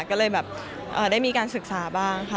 ก็เลยแบบได้มีการศึกษาบ้างค่ะ